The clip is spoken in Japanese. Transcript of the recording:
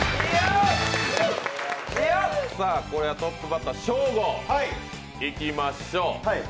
これはトップバッター、ショーゴいきましょう。